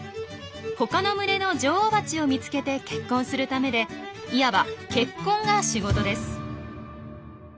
他の群れの女王バチを見つけて結婚するためでいわば結婚が仕事です。